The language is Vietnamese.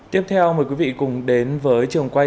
tiếp theo mời quý vị cùng đến với trường quay